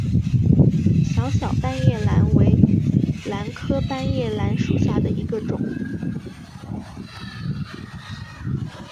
小小斑叶兰为兰科斑叶兰属下的一个种。